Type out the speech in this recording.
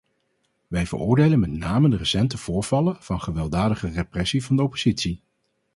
Wij veroordelen met name de recente voorvallen van gewelddadige repressie van de oppositie.